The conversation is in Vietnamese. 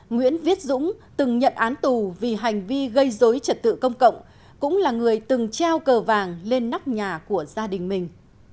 nguyễn viết dũng từng nhận án tù vì hành vi gây dối trật tự công cộng cũng là người từng treo cờ vàng lên nóc nhà của gia đình mình